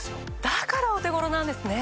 だからお手頃なんですね。